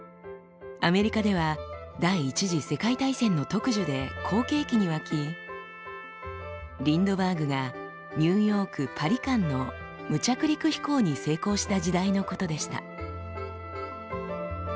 アメリカでは第一次世界大戦の特需で好景気に沸きリンドバーグがニューヨーク−パリ間の無着陸飛行に成功した時代のことでした。